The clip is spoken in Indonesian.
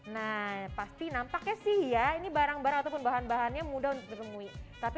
nah pasti nampaknya sih ya ini barang barang ataupun bahan bahannya mudah untuk ditemui tapi